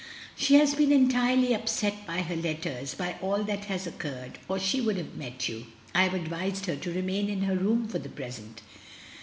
She has been entirely upset by her letters, by all that has occurred, or she would have met you. I have advised her to remain in her room for the present."